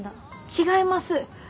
違います。